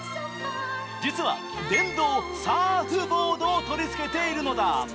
実は電動サーフボードを取り付けているのだ。